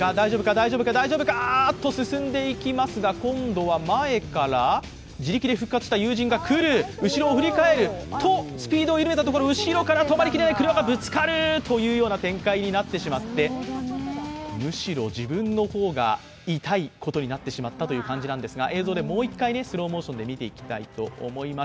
大丈夫かっと進んでいきますが今度は前から自力で復活した友人が来る後ろをふり返る、と、スピードを挙げて止まりきれない車がぶつかるというような展開になってしまってむしろ自分の方が痛いことになってしまったという映像ですが映像でもう１回、スローモーションで見ていきたいと思います。